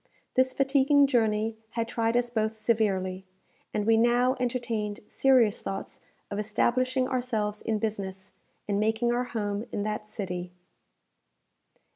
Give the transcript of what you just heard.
This fatiguing journey had tried us both severely, and we now entertained serious thoughts of establishing ourselves in business, and making our home in that city.